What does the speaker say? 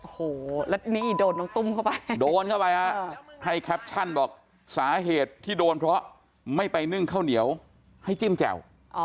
โอ้โหแล้วนี่โดนน้องตุ้มเข้าไปโดนเข้าไปฮะให้แคปชั่นบอกสาเหตุที่โดนเพราะไม่ไปนึ่งข้าวเหนียวให้จิ้มแจ่ว